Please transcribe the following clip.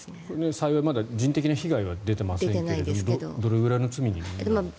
幸いまだ人的な被害は出てませんがどれぐらいの罪になるんですか？